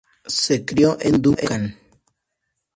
Se crio en Duncan.